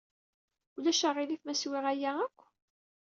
Ulac aɣilif ma swiɣ aya akk?